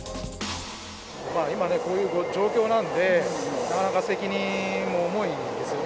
まあ、今こういう状況なんで、なかなか責任も重いんですよね、